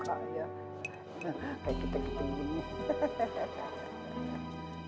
kayak kita gitu gini